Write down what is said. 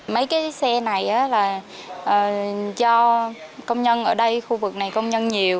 mấy cái xe này là cho công nhân ở đây khu vực này công nhân nhiều